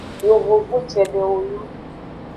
Yovogbu cedewo nyon.